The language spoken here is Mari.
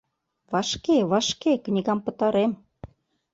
Вашке, вашке книгам пытарем.